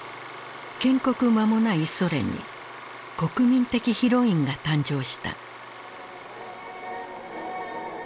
建国まもないソ連に国民的ヒロインが誕生した。